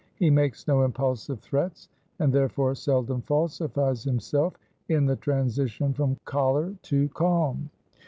He makes no impulsive threats, and therefore seldom falsifies himself in the transition from choler to calm.